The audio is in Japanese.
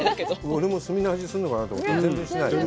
俺も炭の味がするのかなと思ったら全然しない。